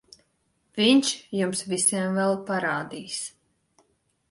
Viņš jums visiem vēl parādīs...